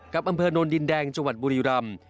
อำเภอโนนดินแดงจังหวัดบุรีรำ